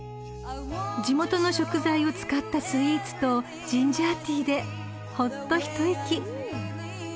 ［地元の食材を使ったスイーツとジンジャーティーでほっと一息］